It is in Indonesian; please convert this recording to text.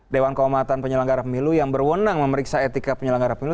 dewan kehomatan penyelenggara pemilu yang berwenang memeriksa etika penyelenggara pemilu